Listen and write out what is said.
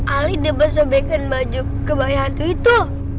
ali debat sobekan baju kebahayaan itu